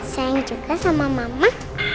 senang juga sama mama